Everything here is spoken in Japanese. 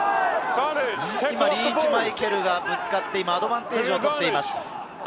リーチ・マイケルがぶつかってアドバンテージを取っています。